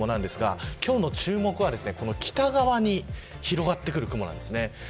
これが梅雨前線の雨雲なんですが今日の注目は北側に広がってくる雲です。